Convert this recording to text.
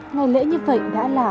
ngày lễ như vậy đã là